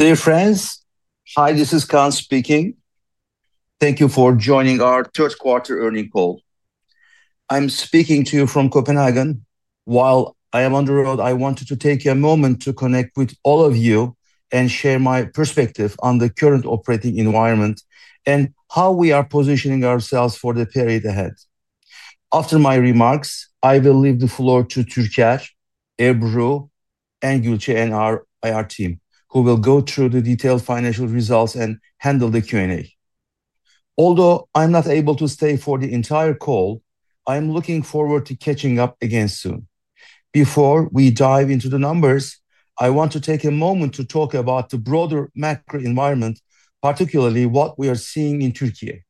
Dear friends, hi, this is Kaan speaking. Thank you for joining our third quarter earning call. I'm speaking to you from Copenhagen. While I am on the road, I wanted to take a moment to connect with all of you and share my perspective on the current operating environment and how we are positioning ourselves for the period ahead. After my remarks, I will leave the floor to Türker Tunalı, Ebru Güvenir, and our IR team, who will go through the detailed financial results and handle the Q&A. Although I'm not able to stay for the entire call, I'm looking forward to catching up again soon. Before we dive into the numbers, I want to take a moment to talk about the broader macro environment, particularly what we are seeing in Türkiye.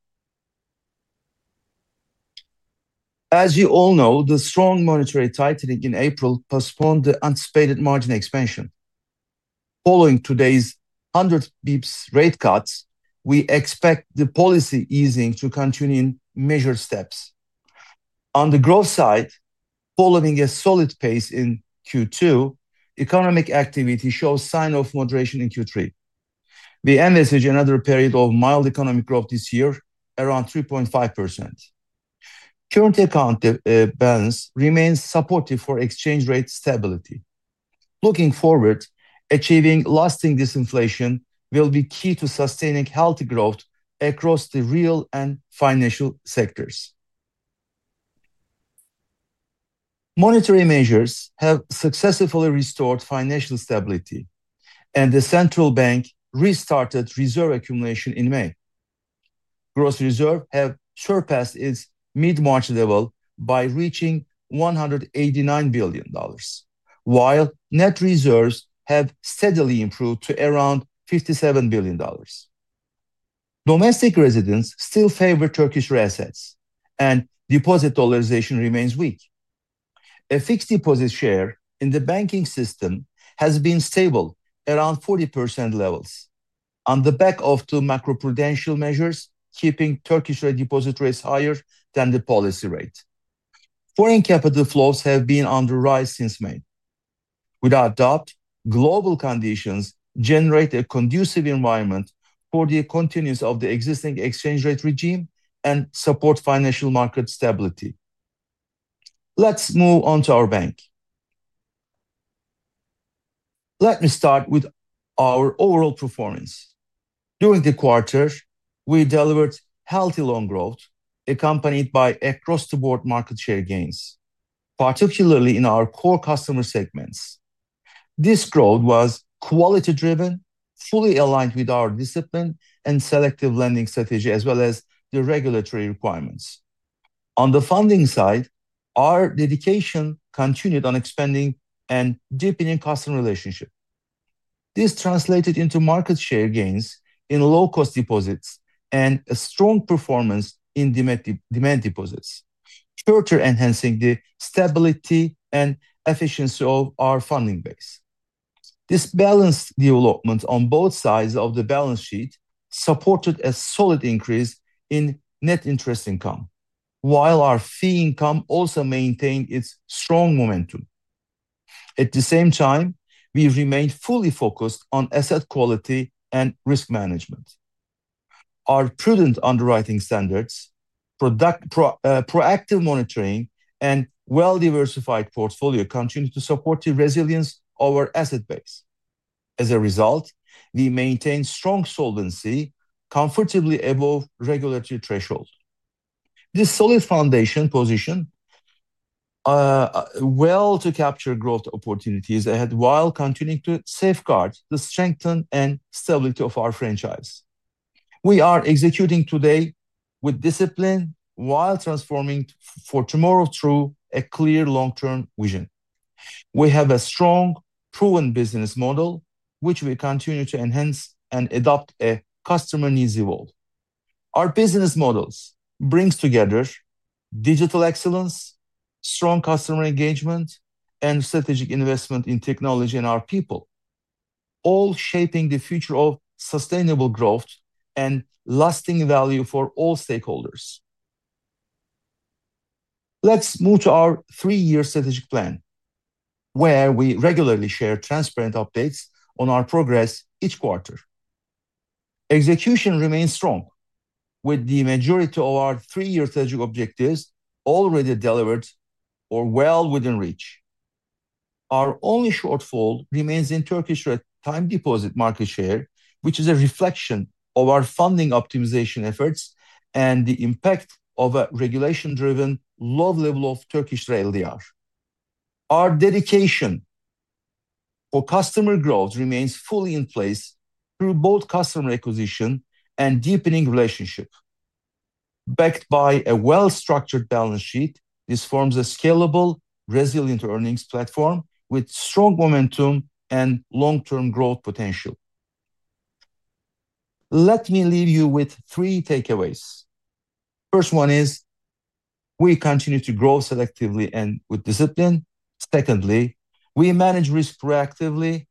As you all know, the strong monetary tightening in April postponed the anticipated margin expansion. Following today's 100 basis points rate cuts, we expect the policy easing to continue in measured steps. On the growth side, following a solid pace in Q2, economic activity shows signs of moderation in Q3. We envisage another period of mild economic growth this year, around 3.5%. Current account balance remains supportive for exchange rate stability. Looking forward, achieving lasting disinflation will be key to sustaining healthy growth across the real and financial sectors. Monetary measures have successfully restored financial stability, and the central bank restarted reserve accumulation in May. Gross reserve has surpassed its mid-March level by reaching $189 billion, while net reserves have steadily improved to around $57 billion. Domestic residents still favor Turkish assets, and deposit dollarization remains weak. A fixed deposit share in the banking system has been stable, around 40% levels, on the back of two macroprudential measures keeping Turkish deposit rates higher than the policy rate. Foreign capital flows have been on the rise since May. Without doubt, global conditions generate a conducive environment for the continuance of the existing exchange rate regime and support financial market stability. Let's move on to our bank. Let me start with our overall performance. During the quarter, we delivered healthy loan growth, accompanied by across-the-board market share gains, particularly in our core customer segments. This growth was quality-driven, fully aligned with our discipline and selective lending strategy, as well as the regulatory requirements. On the funding side, our dedication continued on expanding and deepening customer relationships. This translated into market share gains in low-cost deposits and a strong performance in demand deposits, further enhancing the stability and efficiency of our funding base. This balanced development on both sides of the balance sheet supported a solid increase in net interest income, while our fee income also maintained its strong momentum. At the same time, we remained fully focused on asset quality and risk management. Our prudent underwriting standards, proactive monitoring, and well-diversified portfolio continue to support the resilience of our asset base. As a result, we maintain strong solvency, comfortably above regulatory thresholds. This solid foundation positioned well to capture growth opportunities ahead while continuing to safeguard the strength and stability of our franchise. We are executing today with discipline while transforming for tomorrow through a clear long-term vision. We have a strong, proven business model, which we continue to enhance and adopt as customer needs evolve. Our business model brings together digital excellence, strong customer engagement, and strategic investment in technology and our people, all shaping the future of sustainable growth and lasting value for all stakeholders. Let's move to our three-year strategic plan, where we regularly share transparent updates on our progress each quarter. Execution remains strong, with the majority of our three-year strategic objectives already delivered or well within reach. Our only shortfall remains in Turkish time deposit market share, which is a reflection of our funding optimization efforts and the impact of a regulation-driven low level of Turkish rate LDR. Our dedication for customer growth remains fully in place through both customer acquisition and deepening relationships. Backed by a well-structured balance sheet, this forms a scalable, resilient earnings platform with strong momentum and long-term growth potential. Let me leave you with three takeaways. The first one is we continue to grow selectively and with discipline. Secondly, we manage risk proactively.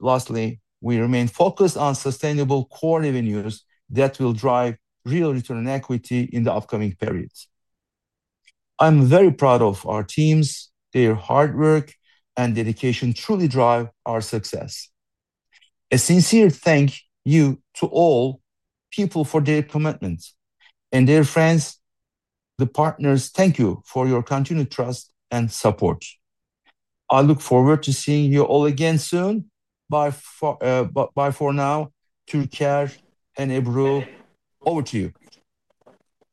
Lastly, we remain focused on sustainable core revenues that will drive real return on equity in the upcoming periods. I'm very proud of our teams. Their hard work and dedication truly drive our success. A sincere thank you to all people for their commitment. Dear friends, the partners, thank you for your continued trust and support. I look forward to seeing you all again soon. Bye for now. Türker and Ebru, over to you.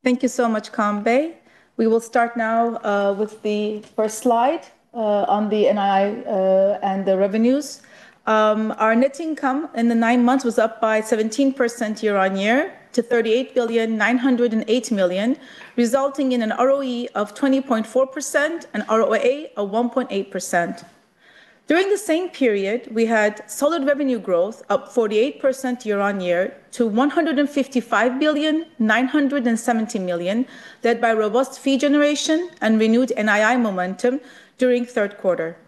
Thank you so much, Kaan Bey. We will start now with the first slide on the NII and the revenues. Our net income in the nine months was up by 17% year-on-year to 38,908 million, resulting in an ROE of 20.4% and ROA of 1.8%. During the same period, we had solid revenue growth, up 48% year-on-year to 155,970 million, led by robust fee generation and renewed NII momentum during the third quarter.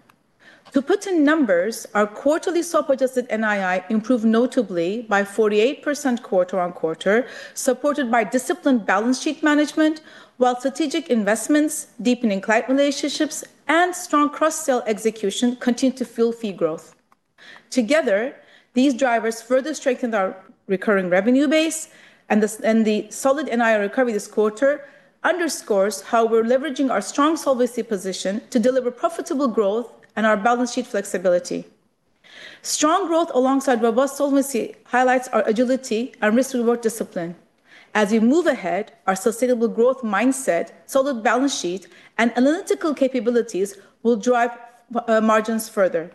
To put in numbers, our quarterly swap-adjusted NII improved notably by 48% quarter-on-quarter, supported by disciplined balance sheet management, while strategic investments, deepening client relationships, and strong cross-sale execution continue to fuel fee growth. Together, these drivers further strengthened our recurring revenue base, and the solid NII recovery this quarter underscores how we're leveraging our strong solvency position to deliver profitable growth and our balance sheet flexibility. Strong growth alongside robust solvency highlights our agility and risk-reward discipline. As we move ahead, our sustainable growth mindset, solid balance sheet, and analytical capabilities will drive margins further.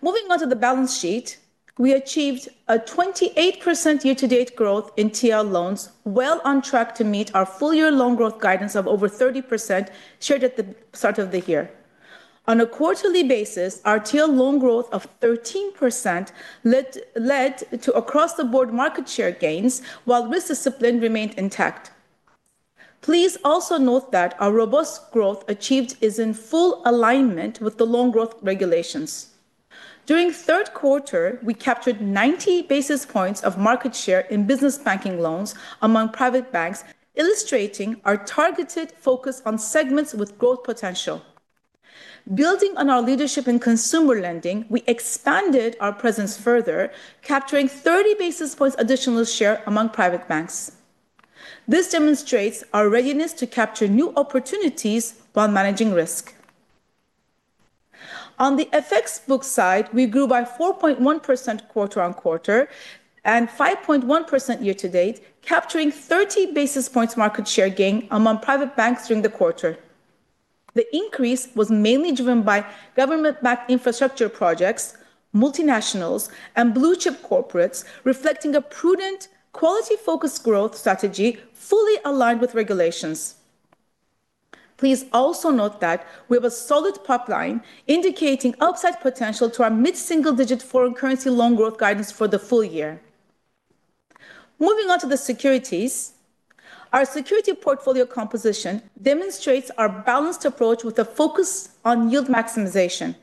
Moving on to the balance sheet, we achieved a 28% year-to-date growth in TL loans, well on track to meet our full-year loan growth guidance of over 30% shared at the start of the year. On a quarterly basis, our TL loan growth of 13% led to across-the-board market share gains, while risk discipline remained intact. Please also note that our robust growth achieved is in full alignment with the loan growth regulations. During the third quarter, we captured 90 basis points of market share in business banking loans among private banks, illustrating our targeted focus on segments with growth potential. Building on our leadership in consumer lending, we expanded our presence further, capturing 30 basis points additional share among private banks. This demonstrates our readiness to capture new opportunities while managing risk. On the FX book side, we grew by 4.1% quarter-on-quarter and 5.1% year-to-date, capturing 30 basis points market share gain among private banks during the quarter. The increase was mainly driven by government-backed infrastructure projects, multinationals, and blue-chip corporates, reflecting a prudent, quality-focused growth strategy fully aligned with regulations. Please also note that we have a solid pipeline indicating upside potential to our mid-single-digit foreign currency loan growth guidance for the full year. Moving on to the securities, our security portfolio composition demonstrates our balanced approach with a focus on yield maximization.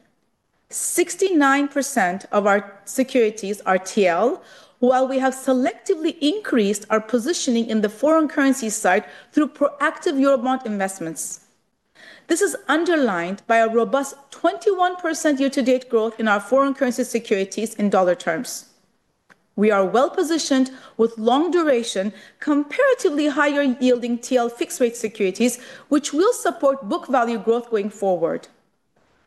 69% of our securities are TL, while we have selectively increased our positioning in the foreign currency side through proactive eurobond investments. This is underlined by a robust 21% year-to-date growth in our foreign currency securities in dollar terms. We are well positioned with long-duration, comparatively higher-yielding TL fixed-rate securities, which will support book value growth going forward.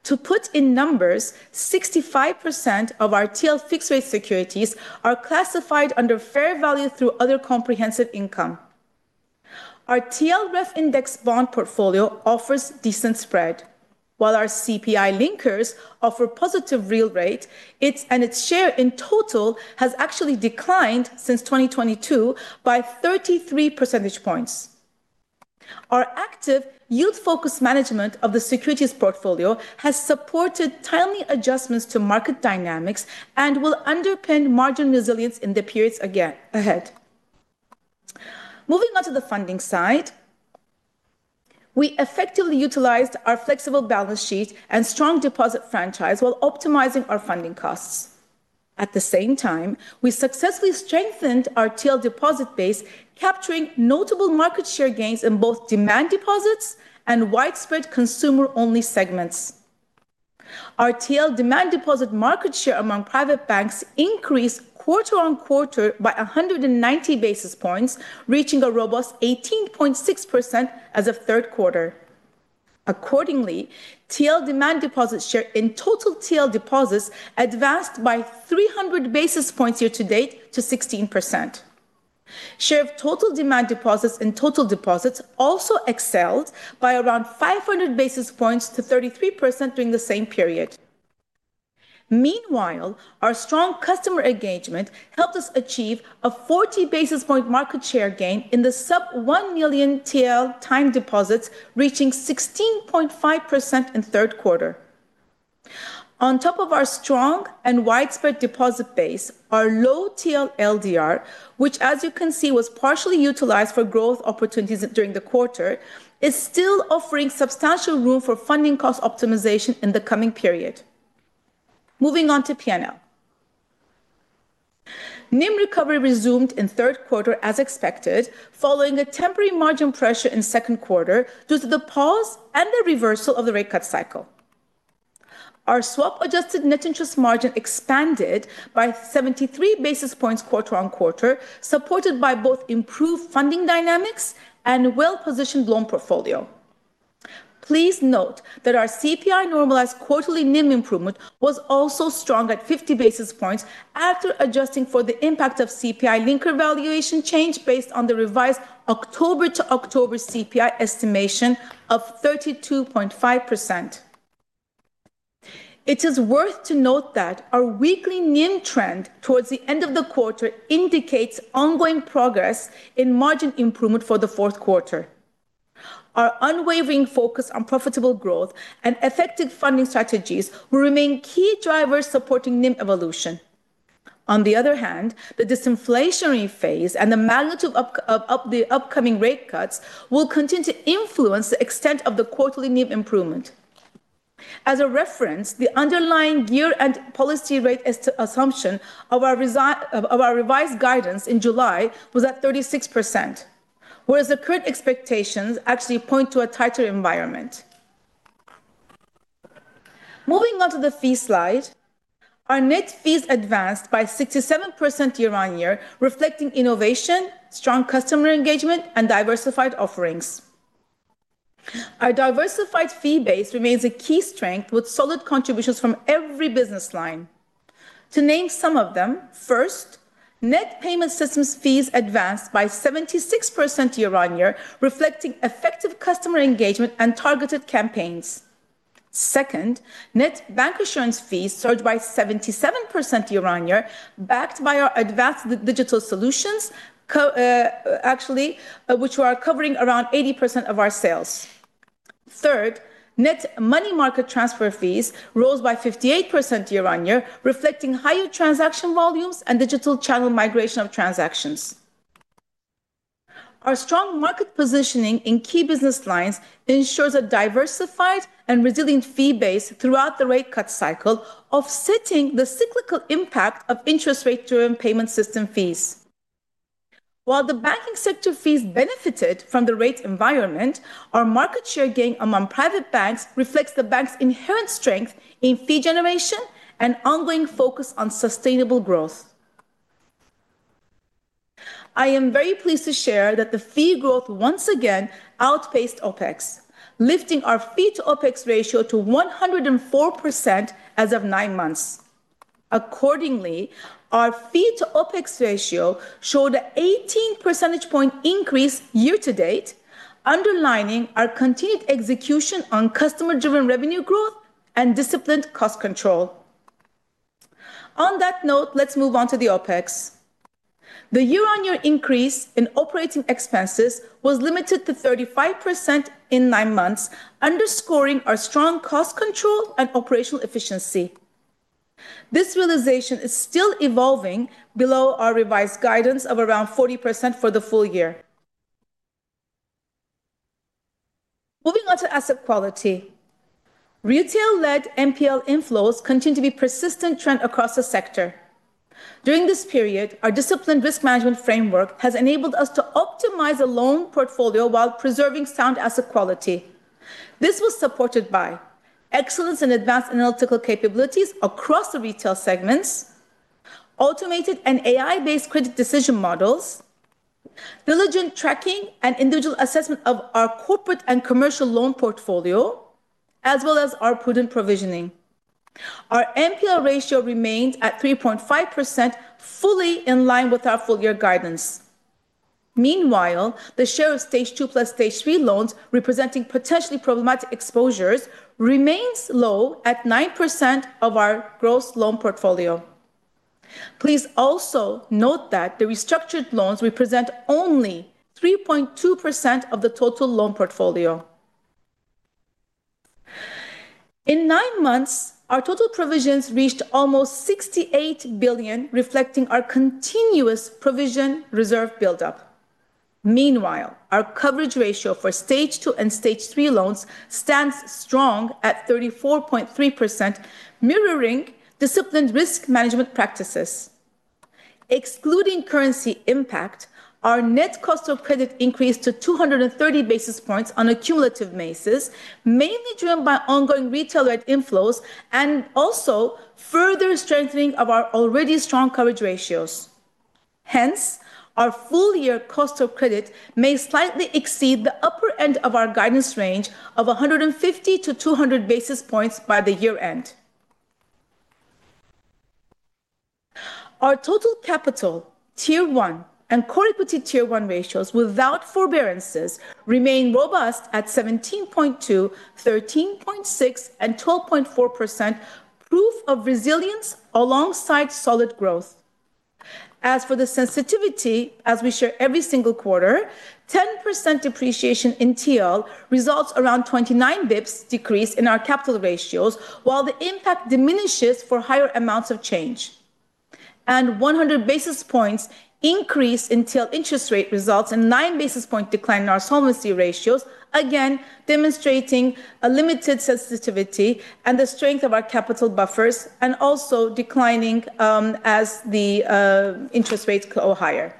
To put in numbers, 65% of our TL fixed-rate securities are classified under fair value through other comprehensive income. Our TL REF index bond portfolio offers decent spread. While our CPI linkers offer positive real rate, its share in total has actually declined since 2022 by 33 percentage points. Our active, yield-focused management of the securities portfolio has supported timely adjustments to market dynamics and will underpin margin resilience in the periods ahead. Moving on to the funding side, we effectively utilized our flexible balance sheet and strong deposit franchise while optimizing our funding costs. At the same time, we successfully strengthened our TL deposit base, capturing notable market share gains in both demand deposits and widespread consumer-only segments. Our TL demand deposit market share among private banks increased quarter-on-quarter by 190 basis points, reaching a robust 18.6% as of third quarter. Accordingly, TL demand deposit share in total TL deposits advanced by 300 basis points year-to-date to 16%. Share of total demand deposits in total deposits also excelled by around 500 basis points to 33% during the same period. Meanwhile, our strong customer engagement helped us achieve a 40 basis point market share gain in the sub-1 million TL time deposits, reaching 16.5% in the third quarter. On top of our strong and widespread deposit base, our low TL LDR, which, as you can see, was partially utilized for growth opportunities during the quarter, is still offering substantial room for funding cost optimization in the coming period. Moving on to P&L. NIM recovery resumed in the third quarter as expected, following a temporary margin pressure in the second quarter due to the pause and the reversal of the rate cut cycle. Our SOAP-adjusted net interest margin expanded by 73 basis points quarter-on-quarter, supported by both improved funding dynamics and a well-positioned loan portfolio. Please note that our CPI normalized quarterly NIM improvement was also strong at 50 basis points after adjusting for the impact of CPI linker valuation change based on the revised October-to-October CPI estimation of 32.5%. It is worth noting that our weekly NIM trend towards the end of the quarter indicates ongoing progress in margin improvement for the fourth quarter. Our unwavering focus on profitable growth and effective funding strategies will remain key drivers supporting NIM evolution. On the other hand, the disinflationary phase and the magnitude of the upcoming rate cuts will continue to influence the extent of the quarterly NIM improvement. As a reference, the underlying gear and policy rate assumption of our revised guidance in July was at 36%, whereas the current expectations actually point to a tighter environment. Moving on to the fee slide, our net fees advanced by 67% year-on-year, reflecting innovation, strong customer engagement, and diversified offerings. Our diversified fee base remains a key strength with solid contributions from every business line. To name some of them, first, net payment systems fees advanced by 76% year-on-year, reflecting effective customer engagement and targeted campaigns. Second, net bancassurance fees surged by 77% year-on-year, backed by our advanced digital solutions, actually, which are covering around 80% of our sales. Third, net money market transfer fees rose by 58% year-on-year, reflecting higher transaction volumes and digital channel migration of transactions. Our strong market positioning in key business lines ensures a diversified and resilient fee base throughout the rate cut cycle, offsetting the cyclical impact of interest rate-driven payment system fees. While the banking sector fees benefited from the rate environment, our market share gain among private banks reflects the bank's inherent strength in fee generation and ongoing focus on sustainable growth. I am very pleased to share that the fee growth once again outpaced OPEX, lifting our fee-to-OPEX ratio to 104% as of nine months. Accordingly, our fee-to-OPEX ratio showed an 18 percentage point increase year-to-date, underlining our continued execution on customer-driven revenue growth and disciplined cost control. On that note, let's move on to the OPEX. The year-on-year increase in operating expenses was limited to 35% in nine months, underscoring our strong cost control and operational efficiency. This realization is still evolving below our revised guidance of around 40% for the full year. Moving on to asset quality. Retail-led NPL inflows continue to be a persistent trend across the sector. During this period, our disciplined risk management framework has enabled us to optimize the loan portfolio while preserving sound asset quality. This was supported by excellence in advanced analytical capabilities across the retail segments, automated and AI-based credit decision models, diligent tracking and individual assessment of our corporate and commercial loan portfolio, as well as our prudent provisioning. Our NPL ratio remains at 3.5%, fully in line with our full-year guidance. Meanwhile, the share of stage two plus stage three loans representing potentially problematic exposures remains low at 9% of our gross loan portfolio. Please also note that the restructured loans represent only 3.2% of the total loan portfolio. In nine months, our total provisions reached almost 68 billion, reflecting our continuous provision reserve buildup. Meanwhile, our coverage ratio for stage two and stage three loans stands strong at 34.3%, mirroring disciplined risk management practices. Excluding currency impact, our net cost of credit increased to 230 basis points on a cumulative basis, mainly driven by ongoing retail-led inflows and also further strengthening of our already strong coverage ratios. Our full-year cost of credit may slightly exceed the upper end of our guidance range of 150-200 basis points by the year-end. Our total capital, tier one, and core equity tier one ratios without forbearances remain robust at 17.2%, 13.6%, and 12.4%, proof of resilience alongside solid growth. As for the sensitivity, as we share every single quarter, 10% depreciation in TL results in around 29 basis points decrease in our capital ratios, while the impact diminishes for higher amounts of change. A 100 basis points increase in TL interest rate results in a 9 basis point decline in our solvency ratios, again demonstrating a limited sensitivity and the strength of our capital buffers and also declining as the interest rates go higher.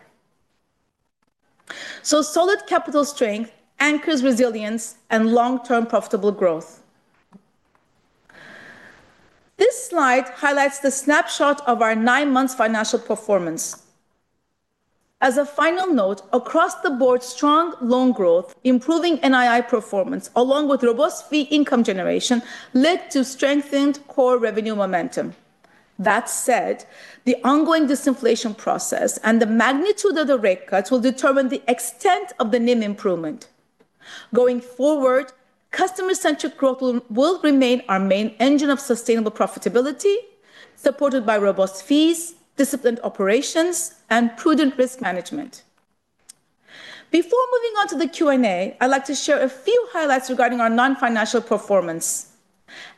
Solid capital strength anchors resilience and long-term profitable growth. This slide highlights the snapshot of our nine months' financial performance. As a final note, across the board, strong loan growth, improving NII performance, along with robust fee income generation, led to strengthened core revenue momentum. That said, the ongoing disinflation process and the magnitude of the rate cuts will determine the extent of the NIM improvement. Going forward, customer-centric growth will remain our main engine of sustainable profitability, supported by robust fees, disciplined operations, and prudent risk management. Before moving on to the Q&A, I'd like to share a few highlights regarding our non-financial performance.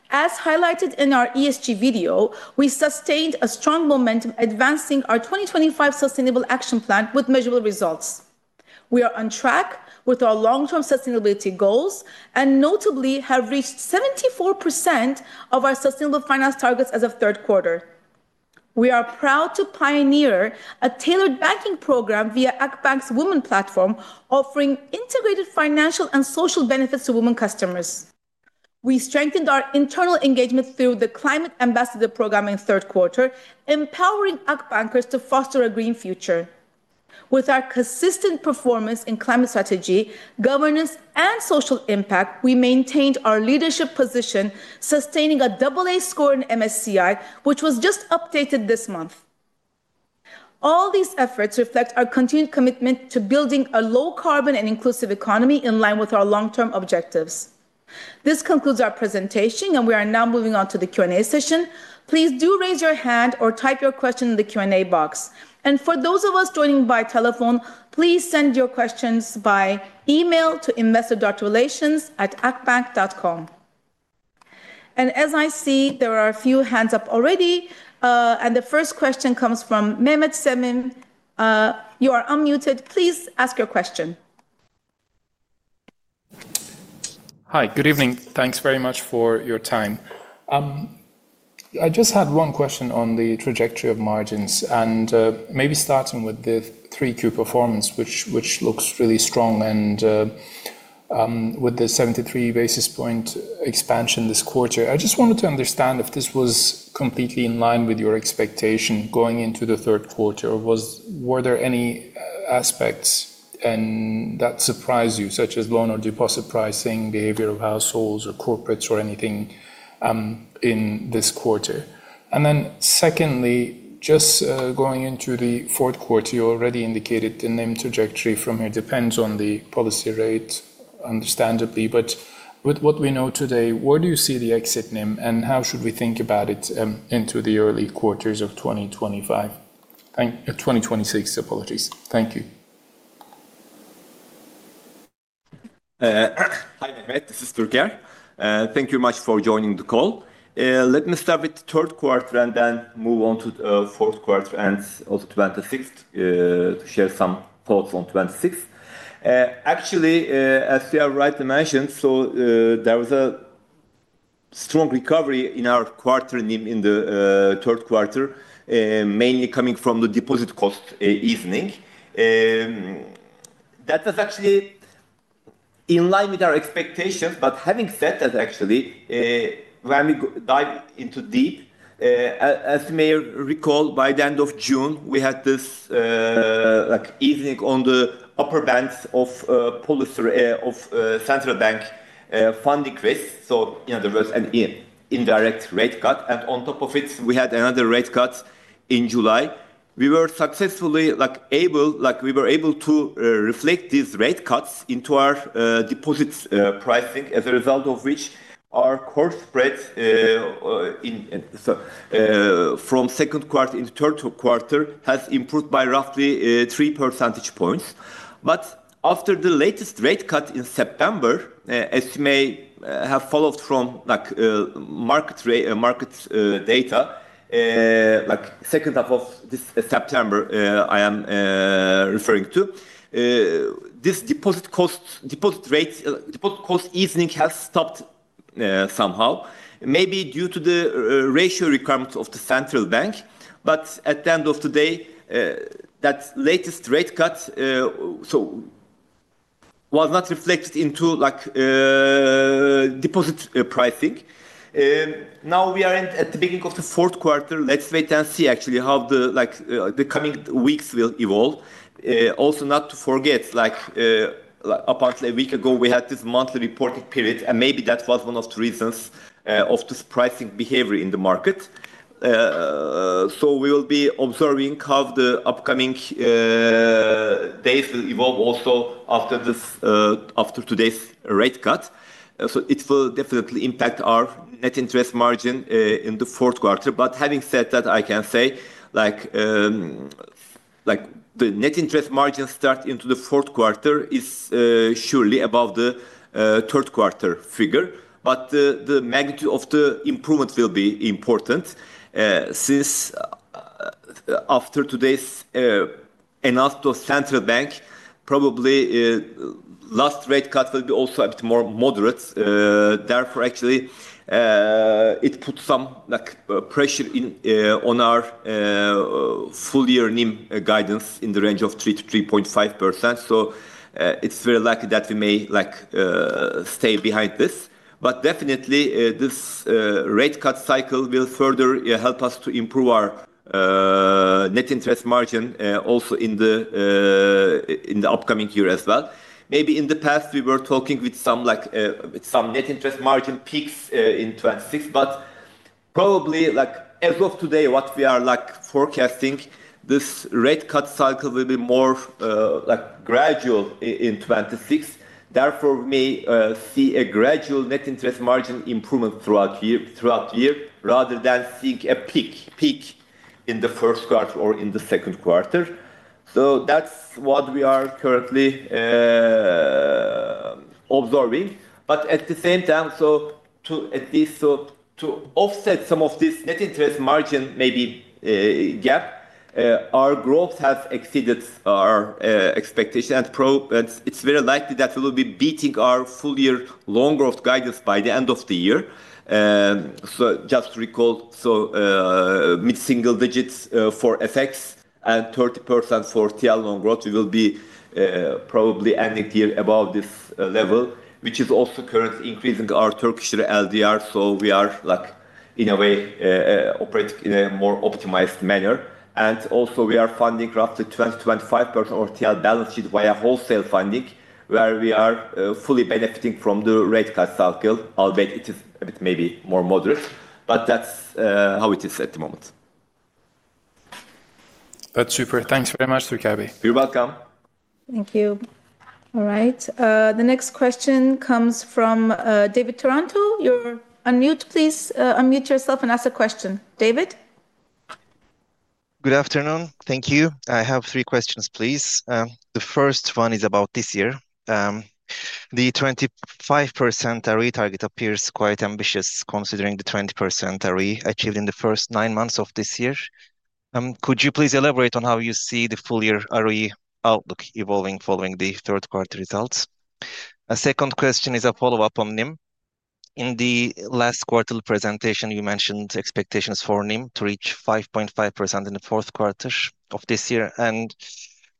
As highlighted in our ESG video, we sustained a strong momentum, advancing our 2025 sustainable action plan with measurable results. We are on track with our long-term sustainability goals and notably have reached 74% of our sustainable finance targets as of third quarter. We are proud to pioneer a tailored banking program via Akbank's Women platform, offering integrated financial and social benefits to women customers. We strengthened our internal engagement through the Climate Ambassador program in third quarter, empowering Akbankers to foster a green future. With our consistent performance in climate strategy, governance, and social impact, we maintained our leadership position, sustaining a AA score in MSCI, which was just updated this month. All these efforts reflect our continued commitment to building a low-carbon and inclusive economy in line with our long-term objectives. This concludes our presentation, and we are now moving on to the Q&A session. Please do raise your hand or type your question in the Q&A box. For those of us joining by telephone, please send your questions by email to investor.relations@akbank.com. I see there are a few hands up already, and the first question comes from Mehmet Sevim. You are unmuted. Please ask your question. Hi, good evening. Thanks very much for your time. I just had one question on the trajectory of margins, and maybe starting with the 3Q performance, which looks really strong and with the 73 basis point expansion this quarter. I just wanted to understand if this was completely in line with your expectation going into the third quarter, or were there any aspects that surprised you, such as loan or deposit pricing, behavior of households or corporates, or anything in this quarter? Secondly, just going into the fourth quarter, you already indicated the NIM trajectory from here depends on the policy rate, understandably. With what we know today, where do you see the exit NIM, and how should we think about it into the early quarters of 2025? Thank you. 2026, apologies. Thank you. Hi, Mehmet. This is Türker. Thank you very much for joining the call. Let me start with the third quarter and then move on to the fourth quarter and also 2026 to share some thoughts on 2026. Actually, as you have rightly mentioned, there was a strong recovery in our quarter NIM in the third quarter, mainly coming from the deposit cost easing. That was actually in line with our expectations. Having said that, when we dive into deep, as you may recall, by the end of June, we had this easing on the upper bands of central bank funding risk. There was an indirect rate cut. On top of it, we had another rate cut in July. We were successfully able, like we were able to reflect these rate cuts into our deposits pricing, as a result of which our core spread from second quarter into third quarter has improved by roughly three percentage points. After the latest rate cut in September, as you may have followed from market data, like the second half of this September I am referring to, this deposit cost easing has stopped somehow, maybe due to the ratio requirements of the central bank. At the end of the day, that latest rate cut was not reflected into deposit pricing. Now we are at the beginning of the fourth quarter. Let's wait and see how the coming weeks will evolve. Also, not to forget, apparently a week ago, we had this monthly reporting period, and maybe that was one of the reasons for this pricing behavior in the market. We will be observing how the upcoming days will evolve also after today's rate cut. It will definitely impact our net interest margin in the fourth quarter. Having said that, I can say the net interest margin start into the fourth quarter is surely above the third quarter figure. The magnitude of the improvement will be important since after today's announcement of central bank, probably last rate cut will be also a bit more moderate. Therefore, it puts some pressure on our full-year NIM guidance in the range of 3%-3.5%. It's very likely that we may stay behind this. Definitely, this rate cut cycle will further help us to improve our net interest margin also in the upcoming year as well. Maybe in the past, we were talking with some net interest margin peaks in 2026. Probably, as of today, what we are forecasting, this rate cut cycle will be more gradual in 2026. Therefore, we may see a gradual net interest margin improvement throughout the year, rather than seeing a peak in the first quarter or in the second quarter. That is what we are currently observing. At the same time, to at least offset some of this net interest margin maybe gap, our growth has exceeded our expectation. It is very likely that we will be beating our full-year loan growth guidance by the end of the year. Just to recall, mid-single digits for FX and 30% for TL loan growth, we will be probably ending the year above this level, which is also currently increasing our Turkish LDR. We are in a way operating in a more optimized manner. Also, we are funding roughly 20-25% of our TL balance sheet via wholesale funding, where we are fully benefiting from the rate cut cycle, albeit it is a bit maybe more moderate. That is how it is at the moment. That's super. Thanks very much, Türker Bey. You're welcome. Thank you. All right. The next question comes from David Taranto. You're unmute. Please unmute yourself and ask a question. David? Good afternoon. Thank you. I have three questions, please. The first one is about this year. The 25% ROE target appears quite ambitious, considering the 20% ROE achieved in the first nine months of this year. Could you please elaborate on how you see the full-year ROE outlook evolving following the third quarter results? A second question is a follow-up on NIM. In the last quarter presentation, you mentioned expectations for NIM to reach 5.5% in the fourth quarter of this year and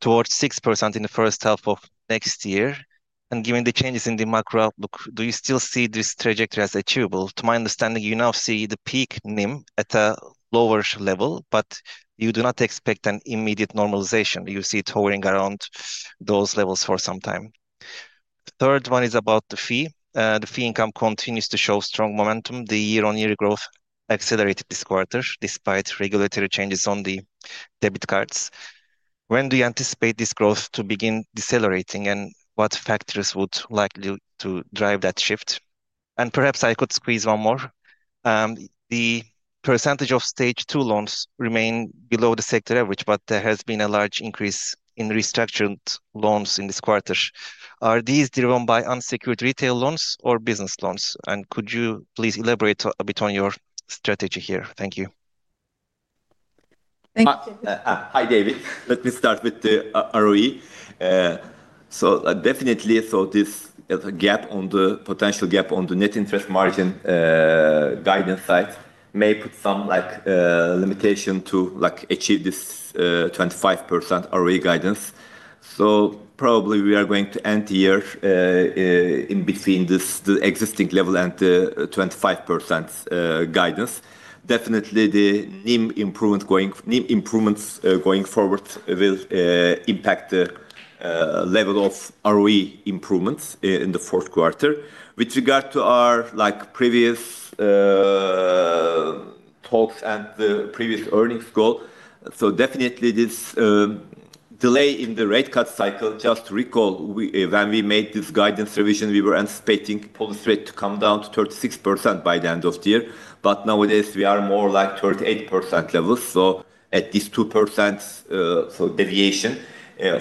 towards 6% in the first half of next year. Given the changes in the macro outlook, do you still see this trajectory as achievable? To my understanding, you now see the peak NIM at a lower level, but you do not expect an immediate normalization. You see it hovering around those levels for some time. The third one is about the fee. The fee income continues to show strong momentum. The year-on-year growth accelerated this quarter despite regulatory changes on the debit cards. When do you anticipate this growth to begin decelerating and what factors would likely drive that shift? Perhaps I could squeeze one more. The percentage of stage two loans remain below the sector average, but there has been a large increase in restructured loans in this quarter. Are these driven by unsecured retail loans or business loans? Could you please elaborate a bit on your strategy here? Thank you. Thank you, David. Hi, David. Let me start with the ROE. Definitely, this gap on the potential gap on the net interest margin guidance side may put some limitation to achieve this 25% ROE guidance. Probably we are going to end the year in between the existing level and the 25% guidance. Definitely, the NIM improvements going forward will impact the level of ROE improvements in the fourth quarter. With regard to our previous talks and the previous earnings call, this delay in the rate cut cycle, just to recall, when we made this guidance revision, we were anticipating policy rate to come down to 36% by the end of the year. Nowadays, we are more like 38% levels. This 2% deviation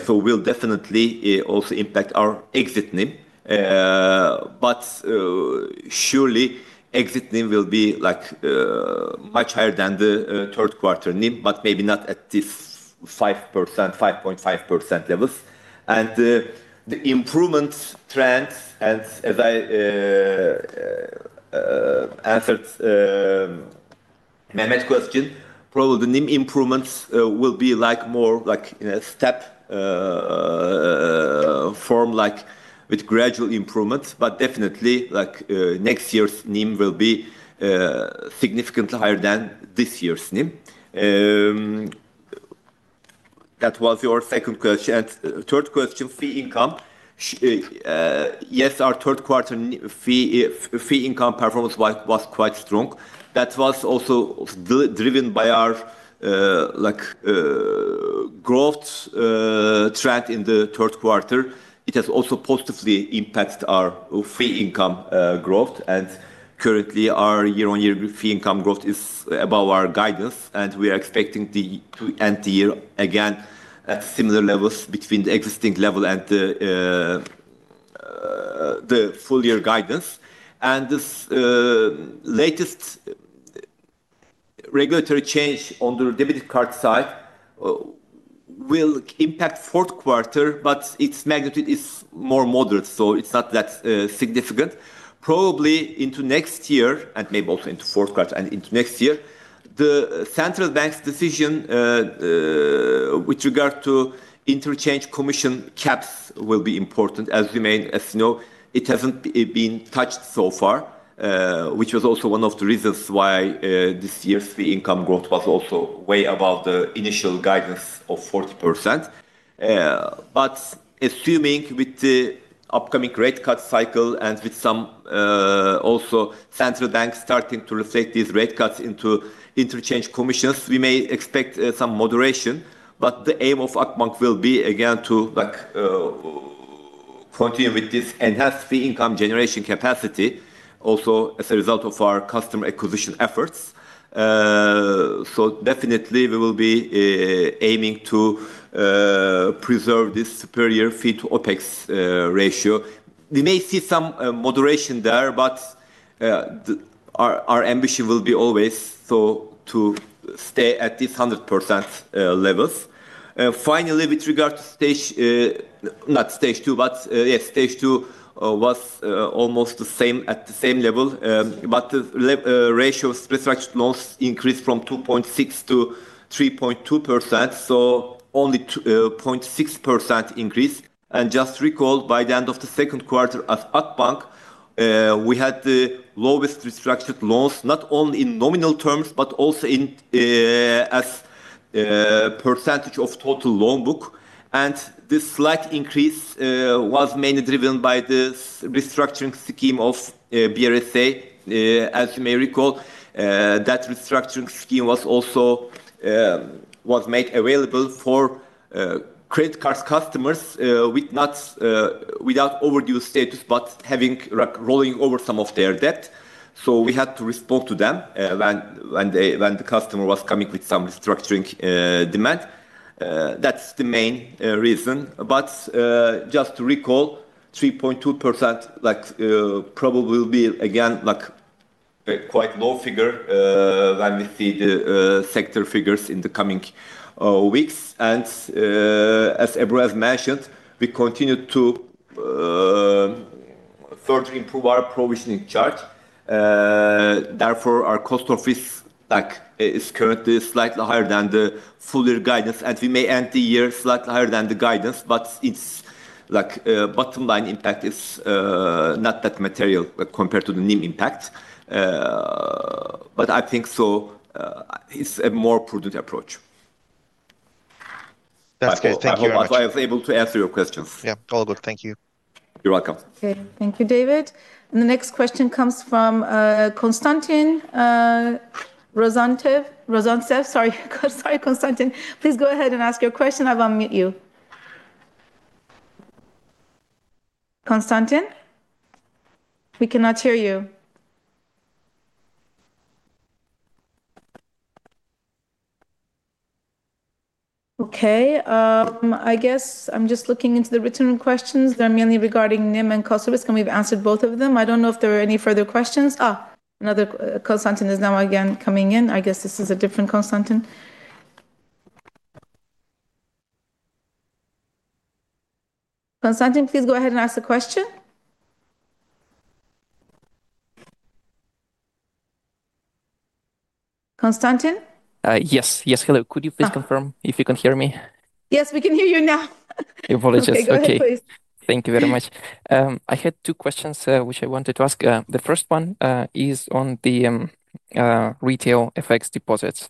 will definitely also impact our exit NIM. Surely, exit NIM will be much higher than the third quarter NIM, but maybe not at this 5%-5.5% levels. The improvement trends, and as I answered Mehmet's question, probably the NIM improvements will be more like in a step form, with gradual improvements. Next year's NIM will be significantly higher than this year's NIM. That was your second question. Third question, fee income. Yes, our third quarter fee income performance was quite strong. That was also driven by our growth trend in the third quarter. It has also positively impacted our fee income growth. Currently, our year-on-year fee income growth is above our guidance. We are expecting to end the year again at similar levels between the existing level and the full-year guidance. This latest regulatory change on the debit card side will impact the fourth quarter, but its magnitude is more moderate. It's not that significant. Probably into next year, and maybe also into the fourth quarter, and into next year, the central bank's decision with regard to interchange commission caps will be important. As you may know, it hasn't been touched so far, which was also one of the reasons why this year's fee income growth was also way above the initial guidance of 40%. Assuming with the upcoming rate cut cycle and with some also central banks starting to reflect these rate cuts into interchange commissions, we may expect some moderation. The aim of Akbank will be again to continue with this enhanced fee income generation capacity, also as a result of our customer acquisition efforts. We will be aiming to preserve this superior fee-to-OPEX ratio. We may see some moderation there, but our ambition will be always to stay at this 100% level. Finally, with regard to stage, not stage two, but yes, stage two was almost the same at the same level. The ratio of restructured loans increased from 2.6%-3.2%, so only 2.6% increase. Just recall, by the end of the second quarter at Akbank, we had the lowest restructured loans, not only in nominal terms, but also in a percentage of total loan book. This slight increase was mainly driven by the restructuring scheme of BRSA. As you may recall, that restructuring scheme was also made available for credit card customers without overdue status, but having rolling over some of their debt. We had to respond to them when the customer was coming with some restructuring demand. That's the main reason. Just to recall, 3.2% probably will be again quite a low figure when we see the sector figures in the coming weeks. As Ebru has mentioned, we continue to further improve our provisioning charge. Therefore, our cost of risk is currently slightly higher than the full-year guidance. We may end the year slightly higher than the guidance, but its bottom line impact is not that material compared to the NIM impact. I think this is a more prudent approach. That's great. Thank you very much. I hope I was able to answer your questions. Yeah, all good. Thank you. You're welcome. Okay. Thank you, David. The next question comes from Konstantin Rozantev. Sorry, Konstantin. Please go ahead and ask your question. I'll unmute you. Konstantin? We cannot hear you. Okay. I guess I'm just looking into the written questions. They're mainly regarding NIM and cost of risk, and we've answered both of them. I don't know if there are any further questions. Another Konstantin is now again coming in. I guess this is a different Konstantin. Konstantin, please go ahead and ask the question. Konstantin? Yes, hello. Could you please confirm if you can hear me? Yes, we can hear you now. Apologies. Okay. Okay, please. Thank you very much. I had two questions which I wanted to ask. The first one is on the retail FX deposits.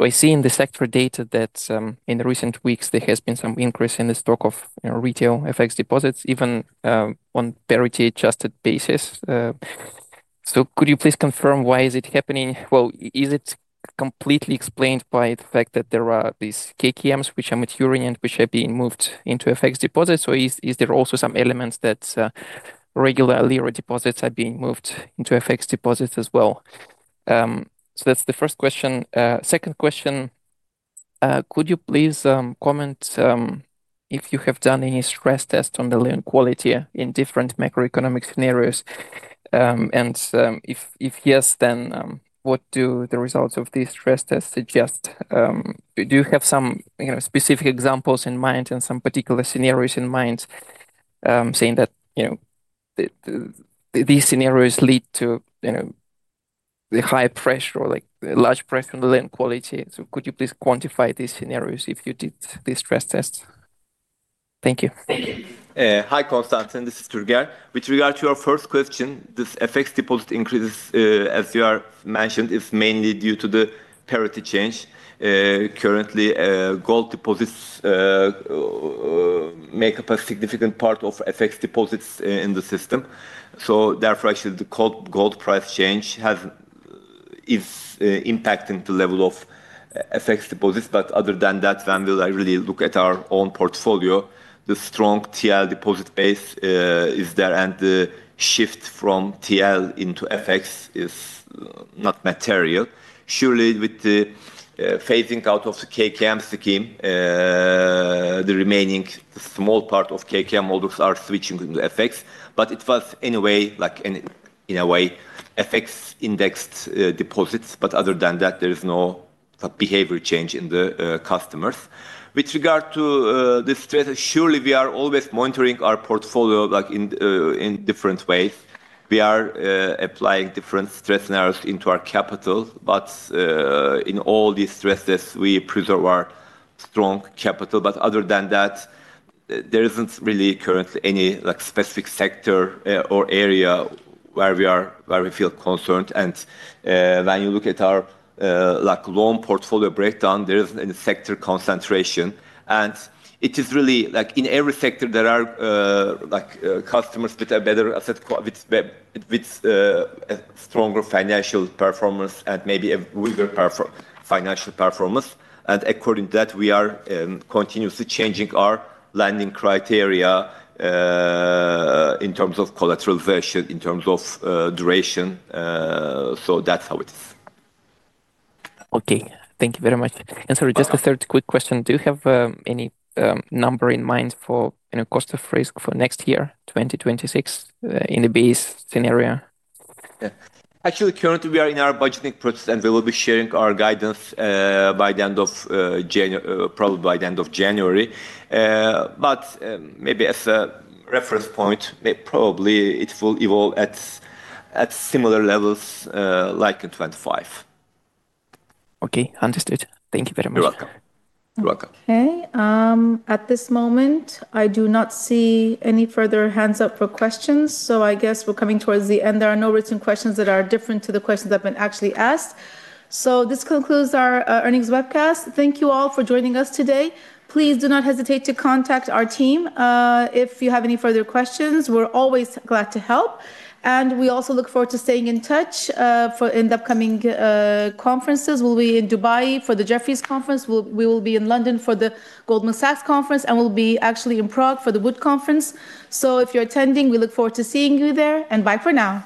I see in the sector data that in recent weeks, there has been some increase in the stock of retail FX deposits, even on a parity-adjusted basis. Could you please confirm why it is happening? Is it completely explained by the fact that there are these KKMs, which are maturing and which are being moved into FX deposits? Is there also some element that regular lira deposits are being moved into FX deposits as well? That's the first question. Second question, could you please comment if you have done any stress tests on the loan quality in different macroeconomic scenarios? If yes, then what do the results of these stress tests suggest? Do you have some specific examples in mind and some particular scenarios in mind, saying that these scenarios lead to the high pressure, like large pressure on the loan quality? Could you please quantify these scenarios if you did these stress tests? Thank you. Hi, Konstantin. This is Türker. With regard to your first question, this FX deposit increase, as you have mentioned, is mainly due to the parity change. Currently, gold deposits make up a significant part of FX deposits in the system. Therefore, actually, the gold price change is impacting the level of FX deposits. Other than that, when we really look at our own portfolio, the strong TL deposit base is there, and the shift from TL into FX is not material. Surely, with the phasing out of the KKM scheme, the remaining small part of KKM holders are switching into FX. It was anyway, like in a way, FX indexed deposits. Other than that, there is no behavior change in the customers. With regard to the stress, surely, we are always monitoring our portfolio in different ways. We are applying different stress scenarios into our capital. In all these stress tests, we preserve our strong capital. Other than that, there isn't really currently any specific sector or area where we feel concerned. When you look at our loan portfolio breakdown, there isn't any sector concentration. It is really like in every sector, there are customers with a better asset, with stronger financial performance, and maybe a weaker financial performance. According to that, we are continuously changing our lending criteria in terms of collateralization, in terms of duration. That's how it is. Thank you very much. Sorry, just a third quick question. Do you have any number in mind for cost of risk for next year, 2026, in the BEAS scenario? Yeah. Actually, currently, we are in our budgeting process, and we will be sharing our guidance by the end of January, probably by the end of January. Maybe as a reference point, it will evolve at similar levels like in 2025. Okay, understood. Thank you very much. You're welcome. You're welcome. Okay. At this moment, I do not see any further hands up for questions. I guess we're coming towards the end. There are no written questions that are different to the questions that have been actually asked. This concludes our earnings webcast. Thank you all for joining us today. Please do not hesitate to contact our team if you have any further questions. We're always glad to help. We also look forward to staying in touch for the upcoming conferences. We'll be in Dubai for the Jefferies Conference, in London for the Goldman Sachs Conference, and in Prague for the Wood Conference. If you're attending, we look forward to seeing you there. Bye for now.